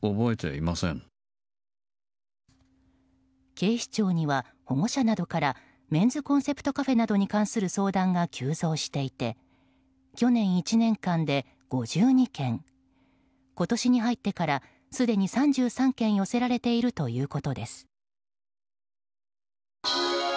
警視庁には、保護者などからメンズコンセプトカフェなどに関する相談が急増していて去年１年間で５２件今年に入ってから、すでに３３件寄せられているということです。